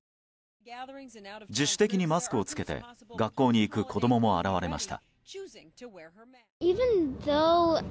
自主的にマスクを着けて学校に行く子供も現れました。